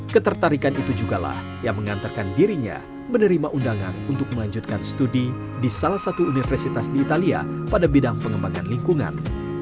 ketertarikan itu juga lah yang mengantarkan dirinya menerima undangan untuk melanjutkan studi di salah satu universitas di italia pada bidang pengembangan lingkungan